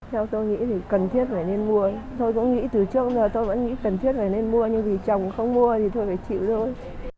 theo tôi nghĩ thì cần thiết phải nên mua tôi cũng nghĩ từ trước giờ tôi vẫn nghĩ cần thiết phải nên mua nhưng vì chồng không mua thì tôi phải chịu thôi